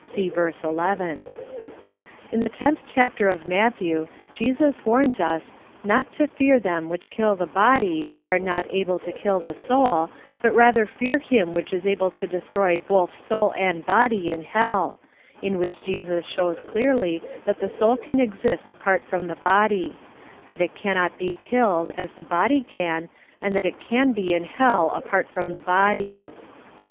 '' (See verse 11.) In the loth chapter of Matthew, Jesus warns us " not to fear them wiiich kill the body, but are not able to kill the soul, but rather fear him which is able to CONCERNING SOUL SLKKPING. 95 .destroy both soul and body in hell," in which Jesus shows clearly that the soul can exist apart from the body ; that it cannot be killed, as the body can, and that it can be in hell apart from the body.